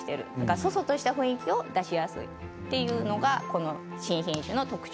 そそとした雰囲気を出しやすいというのが新品種の特徴。